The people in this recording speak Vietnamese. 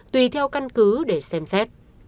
tùy theo căn cứ để xem xét